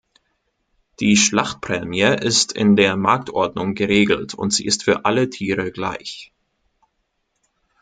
Die Schlachtprämie ist in der Marktordnung geregelt, und sie ist für alle Tiere gleich.